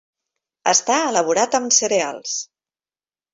Està elaborat amb cereals.